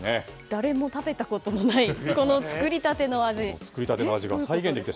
誰も食べたことのない作りたての味。